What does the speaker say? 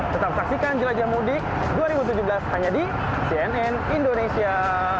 tetap saksikan jelajah mudik dua ribu tujuh belas hanya di cnn indonesia